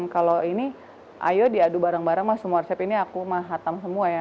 kalau ini ayo diadu bareng bareng mas semua resep ini aku mah hatam semua ya